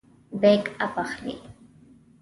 بیک اپ اخلئ؟